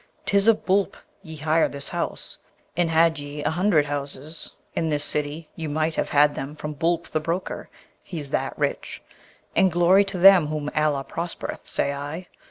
'Tis of Boolp ye hire this house, and had ye a hundred houses in this city ye might have had them from Boolp the broker, he that's rich; and glory to them whom Allah prospereth, say I!